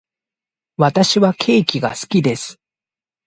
私はケーキが好きです。